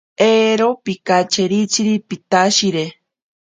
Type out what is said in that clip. Ero pikachetziri pitashire.